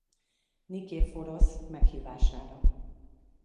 Niképhorosz meghívására.